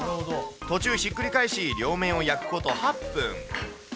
途中、ひっくり返し、両面を焼くこと８分。